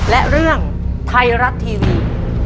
และเรื่องไทยรัฐทีวี